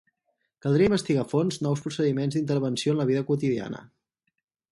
Caldria investigar a fons nous procediments d'intervenció en la vida quotidiana.